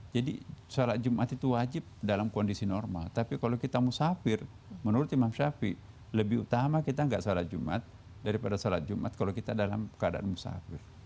jadi salat jumlah itu wajib dalam kondisi normal tapi kalau kita musafir menurut imam shafi lebih utama kita gak salat jumlah daripada salat jumlah kalau kita dalam keadaan musafir